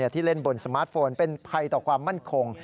ที่เล่นบนสมาร์ทโฟนเป็นภัยต่อความมั่นคง